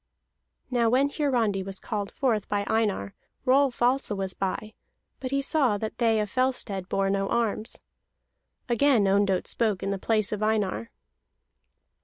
Now when Hiarandi was called forth by Einar, Rolf also was by, but he saw that they of Fellstead bore no arms. Again Ondott spoke in the place of Einar.